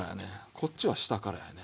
こっちは下からやね。